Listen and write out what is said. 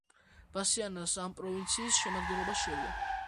ბასიანა ამ პროვინციის შემადგენლობაში შევიდა.